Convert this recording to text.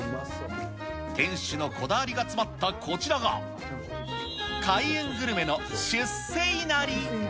店主のこだわりが詰まったこちらが、開運グルメの出世いなり。